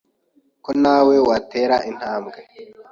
ko nawe watera intambwe